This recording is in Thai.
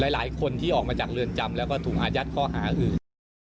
หลายคนที่ออกมาจากเรือนจำแล้วก็ถูกอายัดข้อหาอื่น